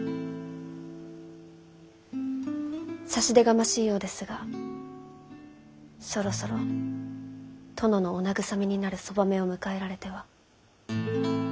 差し出がましいようですがそろそろ殿のお慰めになる側女を迎えられては？